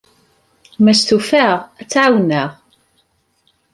Ma stufaɣ, ad tt-ɛawneɣ.